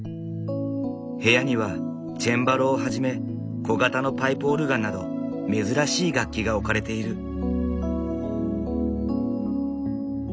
部屋にはチェンバロをはじめ小型のパイプオルガンなど珍しい楽器が置かれている。